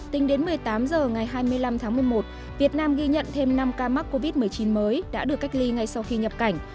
tính đến một mươi tám h ngày hai mươi năm tháng một mươi một việt nam ghi nhận thêm năm ca mắc covid một mươi chín mới đã được cách ly ngay sau khi nhập cảnh